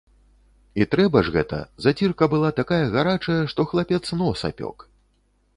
І трэба ж гэта, зацірка была такая гарачая, што хлапец нос апёк.